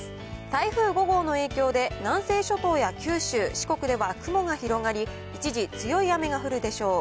台風５号の影響で、南西諸島や九州、四国では雲が広がり、一時強い雨が降るでしょう。